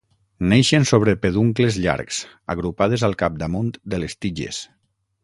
Neixen sobre peduncles llargs, agrupades al capdamunt de les tiges.